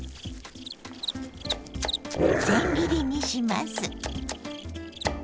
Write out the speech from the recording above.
せん切りにします。